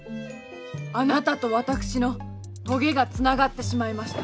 あなたと私のとげがつながってしまいました。